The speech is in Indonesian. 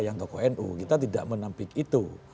yang tokoh nu kita tidak menampik itu